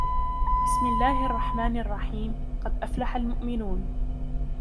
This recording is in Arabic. بسم الله الرحمن الرحيم قد أفلح المؤمنون